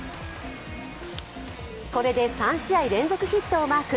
これで３試合連続ヒットをマーク。